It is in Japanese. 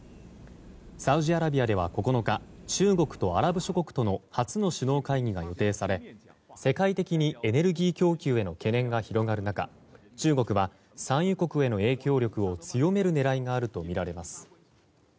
サウジアラビアでは９日中国とアラブ諸国との初の首脳会議が予定され世界的にエネルギー供給への懸念が広がる中中国は産油国への影響力を強める狙いがあるとみられます。